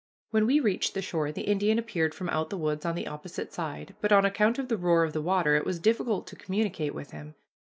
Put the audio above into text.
When we reached the shore the Indian appeared from out the woods on the opposite side, but on account of the roar of the water it was difficult to communicate with him.